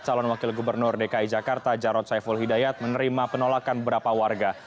calon wakil gubernur dki jakarta jarod saiful hidayat menerima penolakan beberapa warga